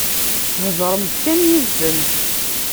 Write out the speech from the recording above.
Heḍṛemt kan yid-sent.